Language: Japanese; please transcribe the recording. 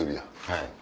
はい。